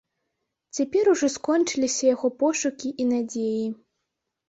Цяпер ужо скончыліся яго пошукі і надзеі.